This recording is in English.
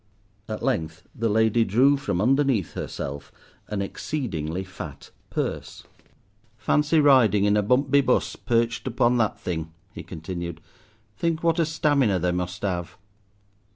At length the lady drew from underneath herself an exceedingly fat purse. "Fancy riding in a bumpby bus, perched up on that thing," he continued. "Think what a stamina they must have."